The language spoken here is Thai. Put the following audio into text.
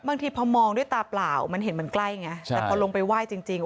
บางทีพอมองด้วยตาเปล่ามันเห็นมันใกล้ไงใช่แต่พอลงไปไหว้จริงจริง